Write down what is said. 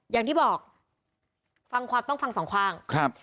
อย่างที่บอกเ